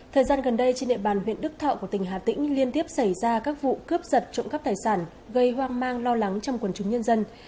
thời gian gần đây trên địa bàn huyện đức thọ của tỉnh hà tĩnh liên tiếp xảy ra các vụ cướp giật trộm cắp tài sản gây hoang mang lo lắng trong quần chúng nhân dân